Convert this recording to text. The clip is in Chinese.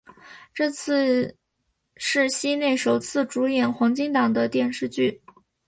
这次是西内首次主演黄金档的电视连续剧。